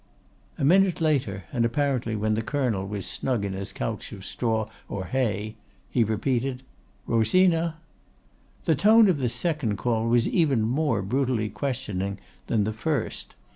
"A minute later, and apparently when the Colonel was snug in his couch of straw or hay, he repeated, 'Rosina?' "The tone of this second call was even more brutally questioning than the first.